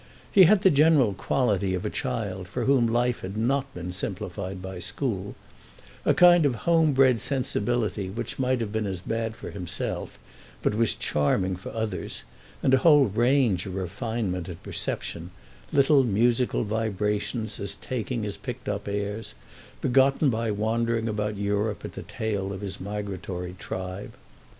He had the general quality of a child for whom life had not been simplified by school, a kind of homebred sensibility which might have been as bad for himself but was charming for others, and a whole range of refinement and perception—little musical vibrations as taking as picked up airs—begotten by wandering about Europe at the tail of his migratory tribe.